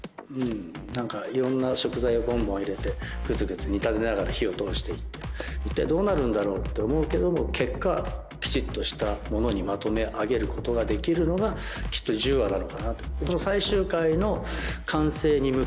何かいろんな食材をボンボン入れてグツグツ煮立てながら火を通して行って一体どうなるんだろうって思うけども結果きちっとしたものにまとめ上げることができるのがきっと１０話なのかって。